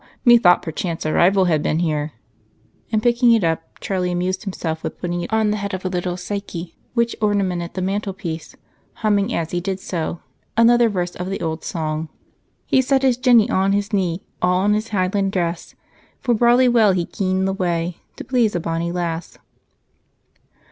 Methought perchance a rival had been here," and, picking it up, Charlie amused himself with putting it on the head of a little Psyche which ornamented the mantelpiece, softly singing as he did so, another verse of the old song: "He set his Jenny on his knee, All in his Highland dress; For brawly well he kenned the way To please a bonny lass."